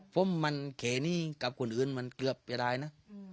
ผมมันเขนี่กับคนอื่นมันเกือบไปได้นะ